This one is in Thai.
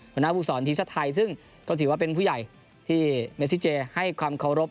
หัวหน้าภูมิศรศรศนที่ชะไทยซึ่งเขาถือว่าเป็นผู้ใหญ่ที่เมสิทธิ์เจอร์ให้ความเคารพ